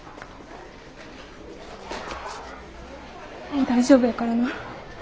もう大丈夫やからな。